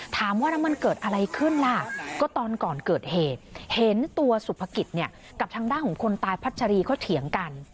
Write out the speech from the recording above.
ถามว่าแล้วมันเกิดอะไรขึ้นล่ะก็ตอนก่อนเกิดเหตุเห็นตัวสุภกิจเนี่ยกับทางด้านของคนตายพัชรีเขาเถียงกัน